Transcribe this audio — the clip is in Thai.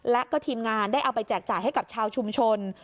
และก็ทีมงานได้เอาไปแจกจ่ายให้กับชาวชุมชน